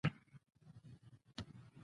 زړه د مینې درس دی.